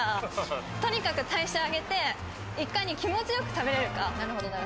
とにかく代謝を上げて、いかに気持ちよく食べれるか。